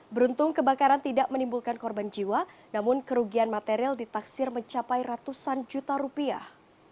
beruntung kebakaran tidak menimbulkan korban jiwa namun kerugian material ditaksir mencapai ratusan juta rupiah